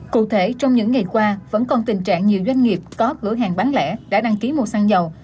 cụ thể trong những ngày qua vẫn còn tình trạng nhiều doanh nghiệp có cửa hàng bán lẻ đã đăng ký mua xăng dầu